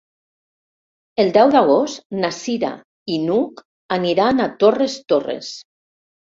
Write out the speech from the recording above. El deu d'agost na Cira i n'Hug aniran a Torres Torres.